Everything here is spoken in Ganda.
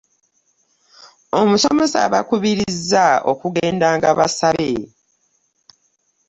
Omusomesa yabakubiriza okugenda ng abasabe .